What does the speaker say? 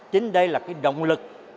chính đây là động lực